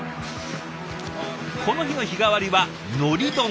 この日の日替わりはのり丼。